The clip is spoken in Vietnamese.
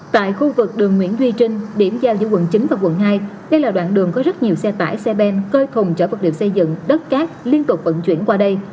tại khu vực đường nguyễn duy trinh điểm giao giữa quận chín và quận hai đây là đoạn đường có rất nhiều xe tải xe ben coi thùng chở vật liệu xây dựng đất cát liên tục vận chuyển qua đây